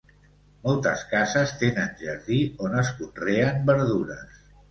Moltes cases tenen jardí on es conreen verdures.